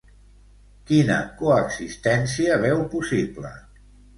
Quina coexistència veu possible?